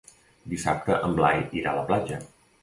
Dissabte en Blai irà a la platja.